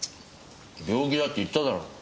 病気だって言っただろ。